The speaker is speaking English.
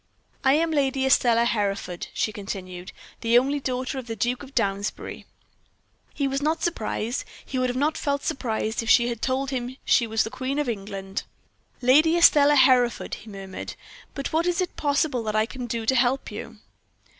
"I am Lady Estelle Hereford," she continued, "the only daughter of the Duke of Downsbury." He was not surprised; he would not have felt surprised if she had told him she was Queen of England. "Lady Estelle Hereford," he murmured; "but what is it possible that I can do to help you?"